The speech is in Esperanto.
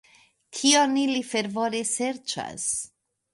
Kion ili fervore serĉas?